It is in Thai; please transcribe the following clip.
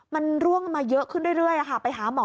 มันร่วงมาเยอะขึ้นเรื่อยไปหาหมอ